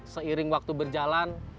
seiring waktu berjalan